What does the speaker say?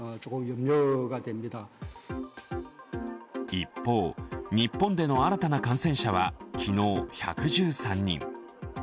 一方、日本での新たな感染者は昨日１１３人。